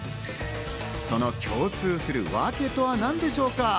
その共通するワケとは何でしょうか？